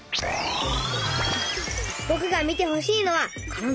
ぼくが見てほしいのはこの動画。